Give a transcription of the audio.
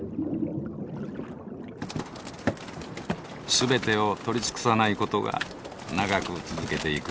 すべてを取り尽くさないことが長く続けていく